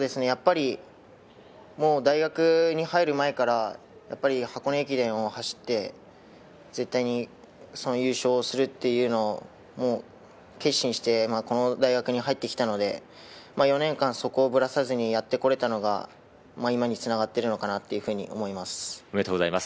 大学に入る前から箱根駅伝を走って絶対に優勝するというのを決心して、この大学に入ったので、４年間ぶらさずに入ってこれたのが今に繋がっていると思います。